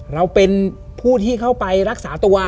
เราเป็นผู้ที่เข้าไปรักษาตัว